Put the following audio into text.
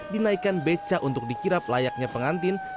dinaikkan beca untuk dikirap layaknya pengantin